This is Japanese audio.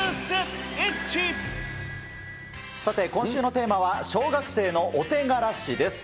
さて今週のテーマは、小学生のお手柄史です。